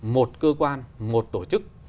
một cơ quan một tổ chức